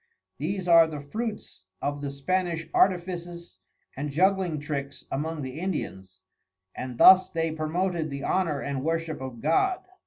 These are the Fruits of the Spanish Artifices and Juggling Tricks among the Indians, and thus they promoted the honour and worship of God.